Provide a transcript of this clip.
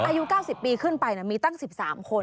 อายุ๙๐ปีขึ้นไปมีตั้ง๑๓คน